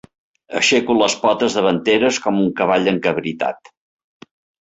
Aixeco les potes davanteres com un cavall encabritat.